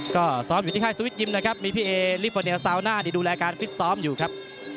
ก็ซ้อมอยู่ที่ค่ายสวิตยิมนะครับมีพี่เอลิฟอร์เนียลซาวน่าที่ดูแลการฟิตซ้อมอยู่ครับ